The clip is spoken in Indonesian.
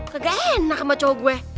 kagak enak sama cowok gue